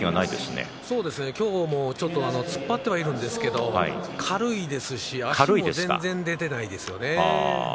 今日も突っ張ってはいるんですけど軽いですし足も全然出ていないですよね。